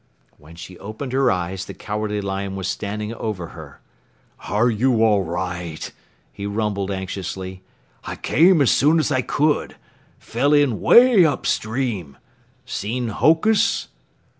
When she opened her eyes, the Cowardly Lion was standing over her. "Are you all right?" he rumbled anxiously. "I came as soon as I could. Fell in way upstream. Seen Hokus?"